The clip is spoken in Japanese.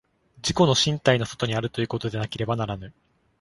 自己の身体の外にあるということでなければならぬ。